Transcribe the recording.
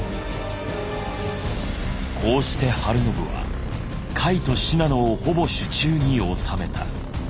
こうして晴信は甲斐と信濃をほぼ手中に収めた。